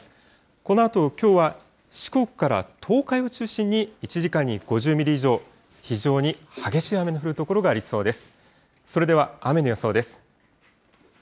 このあと、きょうは四国から東海を中心に１時間に５０ミリ以上、非常に激しい雨の降る所がありそうです。